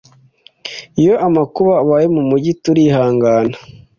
iyo amakuba abaye mu mugi turihangana